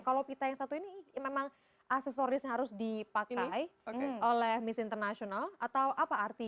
kalau pita yang satu ini memang aksesorisnya harus dipakai oleh miss international atau apa artinya